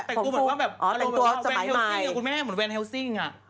แต่กลุ่มเหมือนว่าแบบคุณแม่เหมือนแวนเฮลซิ่ง